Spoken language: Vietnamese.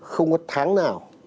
không có tháng nào